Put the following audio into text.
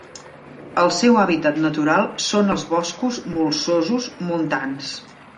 El seu hàbitat natural són els boscos molsosos montans.